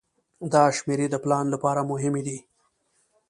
دا شمیرې د پلان لپاره مهمې دي.